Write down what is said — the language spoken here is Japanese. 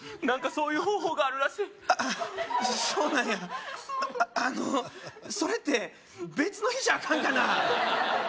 何かそういう方法があるらしいあっそうなんやあのそれって別の日じゃあかんかな？